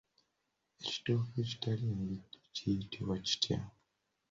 Ekitooke ekitali mbidde kiyitibwa kitya?